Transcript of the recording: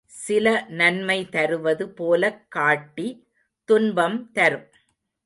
சில நன்மை தருவது போலக் காட்டி துன்பம் தரும்.